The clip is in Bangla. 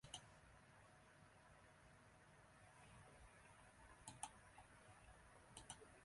এর মধ্যে দাগনভূঞা-কোম্পানিগঞ্জ-কবিরহাট-সোনাপুর সড়ক, সোনাপুর-রামগতি সড়ক, সোনাইমুড়ি-সেনবাগ-বসুরহাট বাইপাস সড়ক উল্লেখযোগ্য।